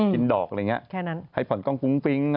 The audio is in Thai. กินดอกอะไรอย่างนี้ให้ผ่อนกล้องฟุ้งฟิ้ง